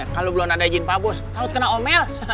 kalau belum ada izin pak bos takut kena omel